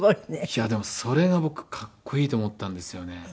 いやでもそれが僕格好いいと思ったんですよね。